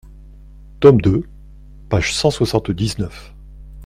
Tome deux, page cent soixante-dix-neuf.